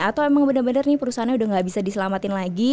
atau emang bener bener perusahaannya udah gak bisa diselamatin lagi